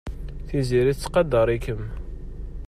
Tiziri tettqadar-ikem.